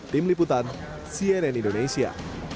tim liputan cnn indonesia